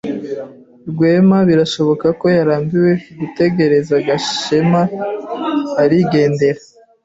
Rwema birashoboka ko yarambiwe gutegereza Gashema arigendera.